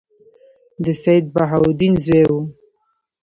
د سیدبهاءالدین زوی وو.